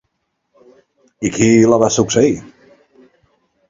I qui la va succeir?